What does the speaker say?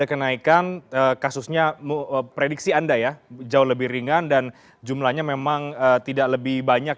kenaikan kasusnya prediksi anda ya jauh lebih ringan dan jumlahnya memang tidak lebih banyak